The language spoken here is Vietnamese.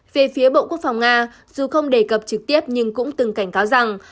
về phía bộ quốc phòng nga dù không đề cập trực tiếp nhưng cũng từng cảnh cáo rằng